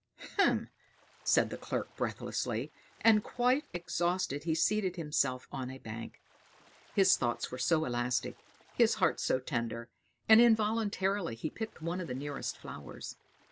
hem!" said the clerk breathlessly, and quite exhausted he seated himself on a bank. His thoughts were so elastic, his heart so tender; and involuntarily he picked one of the nearest flowers.